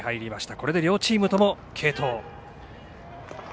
これで両チームとも継投。